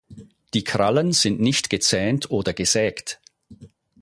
Die Krallen sind nicht gezähnt oder gesägt.